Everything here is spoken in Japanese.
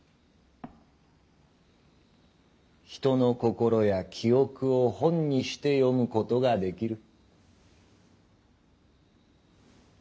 人の心や記憶を「本」にして読むことができる。